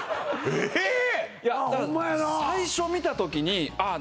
えっ